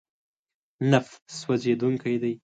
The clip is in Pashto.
نفت سوځېدونکی دی.